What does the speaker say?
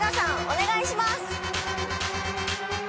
お願いします。